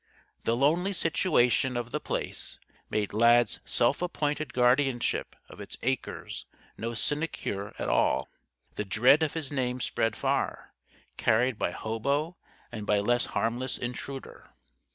The lonely situation of The Place made Lad's self appointed guardianship of its acres no sinecure at all. The dread of his name spread far carried by hobo and by less harmless intruder.